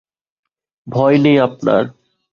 ভয় নেই আপনার।